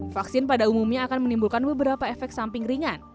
vaksin pada umumnya akan menimbulkan beberapa efek samping ringan